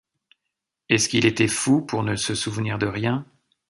Est-ce qu’il était fou, pour ne se souvenir de rien?